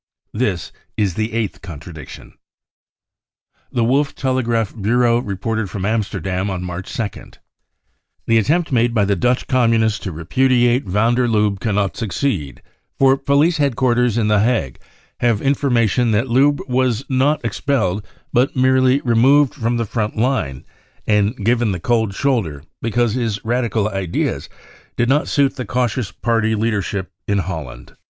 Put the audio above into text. This is the eighth contradiction. The Wolff Telegraph Bureau reported from Amsterdam on March 2nd :" The attempt made by the Dutch Communists to repu diate van der Lubbe cannot succeed, for police head quarters in the Hague have information that Lubbe was not expelled but merely removed from the front line and given the cold shoulder because his radical ideas did not suit the cautious party leadership in Holland."